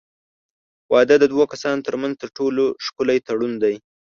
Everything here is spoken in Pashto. واده د دوو کسانو ترمنځ تر ټولو ښکلی تړون دی.